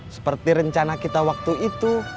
seperti rencana kita waktu itu